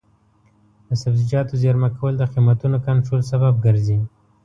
د سبزیجاتو زېرمه کول د قیمتونو کنټرول سبب ګرځي.